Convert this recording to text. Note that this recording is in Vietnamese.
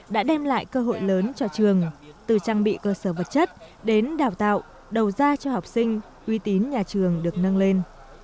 đưa lại cơ hội lớn cho trường từ trang bị cơ sở vật chất đến đào tạo đầu gia cho học sinh uy tín nhà trường được nâng lên